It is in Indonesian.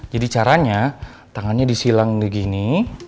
caranya tangannya disilang begini